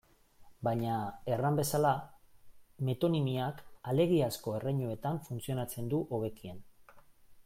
Baina, erran bezala, metonimiak alegiazko erreinuetan funtzionatzen du hobekien.